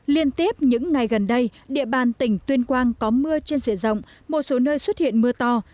liên tiếp những ngày gần đây địa bàn tỉnh tuyên quang có mưa trên diện rộng một số nơi xuất hiện mưa to